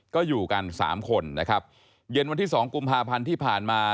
ก็อยู่กันสามคนนะครับเย็นวันที่สองกุมภาพันธ์ที่ผ่านมา